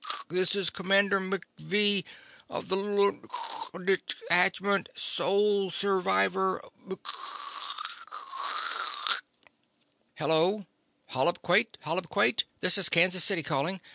This is Commander McVee of the Lunar Detachment, sole survivor ""... hello, Hollip Quate? Hollip Quate? This is Kansas City calling.